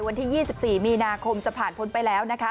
วันที่๒๔มีนาคมจะผ่านพ้นไปแล้วนะคะ